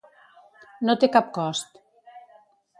No té cap cost.